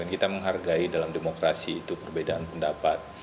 kita menghargai dalam demokrasi itu perbedaan pendapat